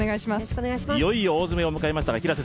いよいよ大詰めを迎えました。